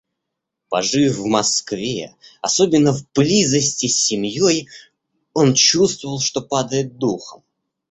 Пожив в Москве, особенно в близости с семьей, он чувствовал, что падает духом.